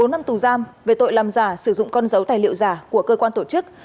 bốn năm tù giam về tội làm giả sử dụng con dấu tài liệu giả của cơ quan tổ chức